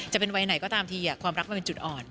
จะเป็นวัยไหนก็ตามทีความรักมันเป็นจุดอ่อน